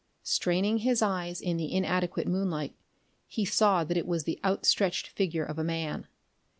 Straining his eyes in the inadequate moonlight, he saw that it was the outstretched figure of a man.